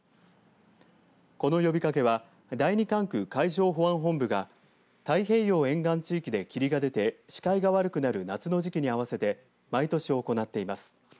この呼びかけは第二管区海上保安本部が太平洋沿岸地域で霧が出て視界が悪くなる夏の時期に合わせて毎年行っています。